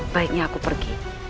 baiknya aku pergi